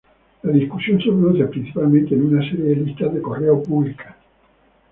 La discusión se produce principalmente en una serie de listas de correo públicas.